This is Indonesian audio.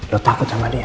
lo takut sama dia